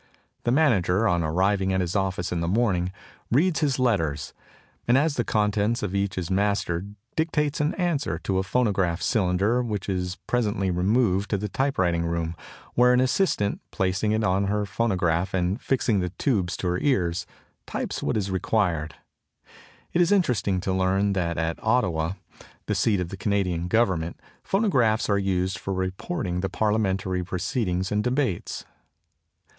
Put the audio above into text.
The manager, on arriving at his office in the morning, reads his letters, and as the contents of each is mastered, dictates an answer to a phonograph cylinder which is presently removed to the typewriting room, where an assistant, placing it upon her phonograph and fixing the tubes to her ears, types what is required. It is interesting to learn that at Ottawa, the seat of the Canadian Government, phonographs are used for reporting the parliamentary proceedings and debates.